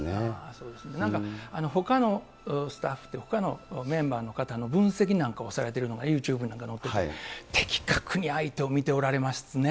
そうですね、なんか、ほかのスタッフと、ほかのメンバーの方の分析なんかをされているのがユーチューブなんかにのってて、的確に相手を見ておられますね。